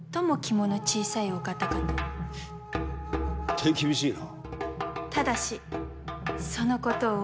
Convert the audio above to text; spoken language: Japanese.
手厳しいな。